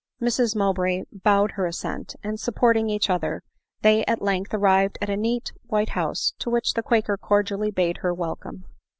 Mrs. Mowbray bowed her assent ; and, supporting each other, they at length arrived at a neat white house, to which the quaker cordially bade her welcome.